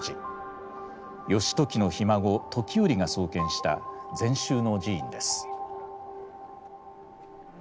義時のひ孫時頼が創建した禅宗の寺院です。